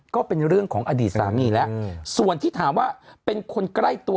ก็เป็นเรื่องของอดีตสามีแล้วส่วนที่ถามว่าเป็นคนใกล้ตัว